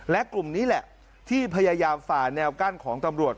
และกลุ่มนี้แหละที่พยายามฝ่าแนวกั้นของตำรวจ